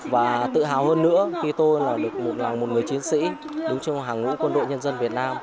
và tự hào hơn nữa khi tôi là một người chiến sĩ đứng chung hàng ngũ quân đội nhân dân việt nam